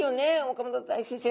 岡本大先生。